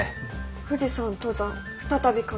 「富士山登山再び活況を」。